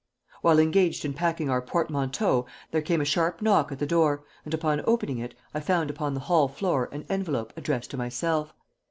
While engaged in packing our portmanteaux there came a sharp knock at the door, and upon opening it I found upon the hall floor an envelope addressed to myself.